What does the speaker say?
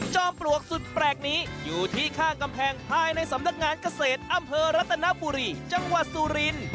ปลวกสุดแปลกนี้อยู่ที่ข้างกำแพงภายในสำนักงานเกษตรอำเภอรัตนบุรีจังหวัดสุรินทร์